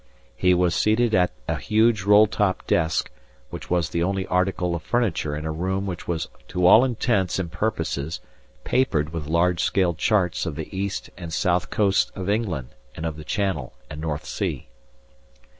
He was seated at a huge roll top desk, which was the only article of furniture in a room which was to all intents and purposes papered with large scale charts of the east and south coasts of England and of the Channel and North Sea.